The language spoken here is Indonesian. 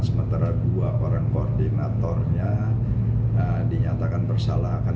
sementara dua orang koordinatornya dinyatakan bersalah